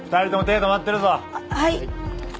はい。